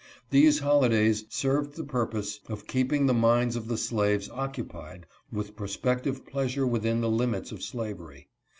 These holidays served the purpose of keeping the minds of the slaves occupied with prospective pleasure within the limits of slavery.